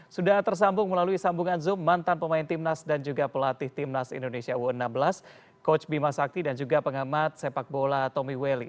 sudah tersambung melalui sambungan zoom mantan pemain timnas dan juga pelatih timnas indonesia u enam belas coach bima sakti dan juga pengamat sepak bola tommy welly